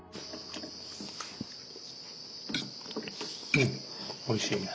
うんおいしいね。